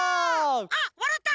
あっわらった！